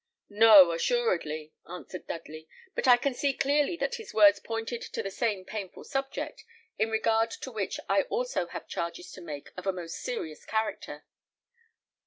"No, assuredly," answered Dudley; "but I can see clearly that his words pointed to the same painful subject, in regard to which I also have charges to make of a most serious character.